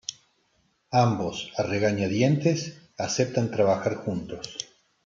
Ambos, a regañadientes, aceptan trabajar juntos.